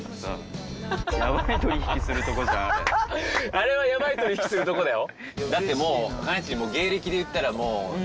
あれはヤバい取り引きするとこだよ。